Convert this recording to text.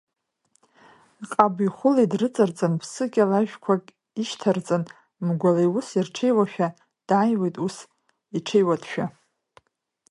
Ҟаби-хәыли дрыҵарҵан, ԥсыкьа-лажәқәак ишьҭарҵан, мгәала иус ирҽеиуашәа, дааиуеит ус, иҽеиуатәшәа.